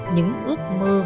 những ước mơ hoài báo tuổi trẻ